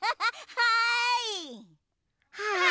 はい！